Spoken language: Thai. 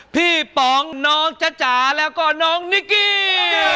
ป๋องน้องจ๊ะจ๋าแล้วก็น้องนิกกี้